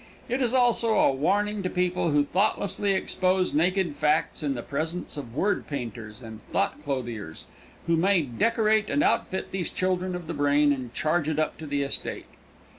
It is also a warning to people who thoughtlessly expose naked facts in the presence of word painters and thought clothiers, who may decorate and outfit these children of the brain and charge it up to the estate.